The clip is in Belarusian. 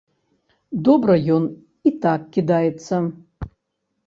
Добра ён і так кідаецца.